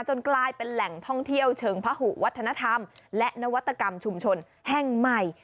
กลายเป็นแหล่งท่องเที่ยวเชิงพระหุวัฒนธรรมและนวัตกรรมชุมชนแห่งใหม่